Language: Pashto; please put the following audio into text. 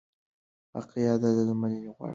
وقايه له درملنې غوره ده.